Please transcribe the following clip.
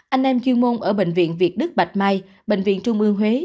anh em chuyên môn ở bệnh viện việt đức bạch mai bệnh viện trung ương huế